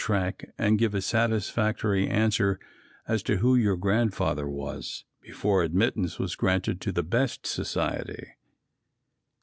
track and give a satisfactory answer as to who your Grandfather was, before admittance was granted to the best society.